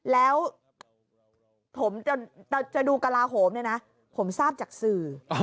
แล้วผมจะดูกระลาโหมเนี่ยนะผมทราบจากสื่อ